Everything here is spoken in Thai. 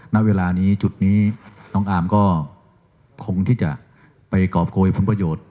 ณเวลานี้จุดนี้น้องอาร์มก็คงที่จะไปกรอบโกยผลประโยชน์